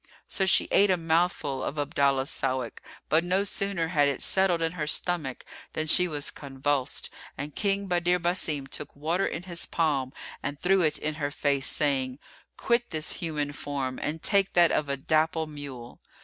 So she ate a mouthful of Abdallah's Sawik; but no sooner had it settled in her stomach than she was convulsed; and King Badr Basim took water in his palm and threw it in her face, saying, "Quit this human form and take that of a dapple mule."